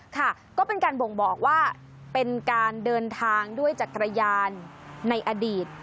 ค่ะก็เป็นการบ่งบอกว่าเป็นการเดินทางด้วยจักรยานในอดีต